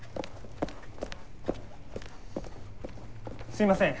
すいません。